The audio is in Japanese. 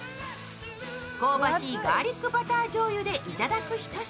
香ばしいガーリックバターじょうゆでいただくひと品。